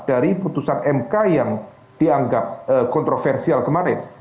dari putusan mk yang dianggap kontroversial kemarin